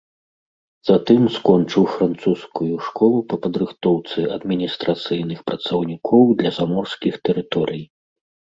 Затым скончыў французскую школу па падрыхтоўцы адміністрацыйных працаўнікоў для заморскіх тэрыторый.